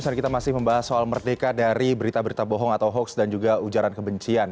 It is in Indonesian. saat kita masih membahas soal merdeka dari berita berita bohong atau hoaks dan juga ujaran kebencian